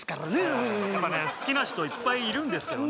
うんうんうんやっぱね好きな人いっぱいいるんですけどね